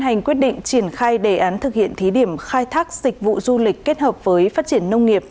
hành quyết định triển khai đề án thực hiện thí điểm khai thác dịch vụ du lịch kết hợp với phát triển nông nghiệp